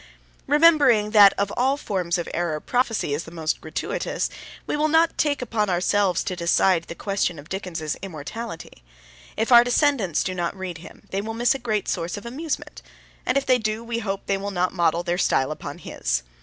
Remembering that of all forms of error prophecy is the most gratuitous, we will not take upon ourselves to decide the question of Dickens's immortality. If our descendants do not read him they will miss a great source of amusement, and if they do, we hope they will not model their style upon his.